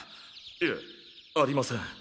いえありません。